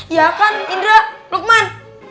ya kan indra lukman